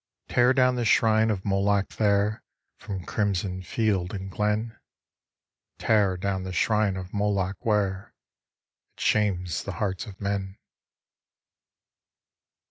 Tear down the shrine of Moloch there, From crimson field and glen, Tear down the shrine of Moloch where It shames the hearts of men.